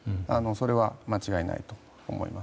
それは、間違いないと思います。